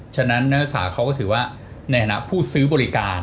ฉะนั้นนักศึกษาเขาก็ถือว่าในฐานะผู้ซื้อบริการ